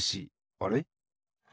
あれ？